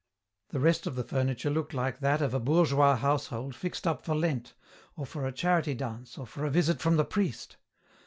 The rest of the furniture looked like that of a bourgeois household fixed up for Lent, or for a charity dance or for a visit from the priest.